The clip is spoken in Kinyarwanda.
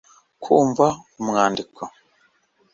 kumva umwandiko